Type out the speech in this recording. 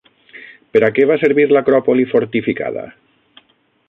Per a què va servir l'Acròpoli fortificada?